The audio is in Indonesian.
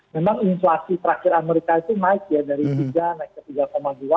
memang inflasi terakhir amerika itu naik ya dari tiga naik ke tiga dua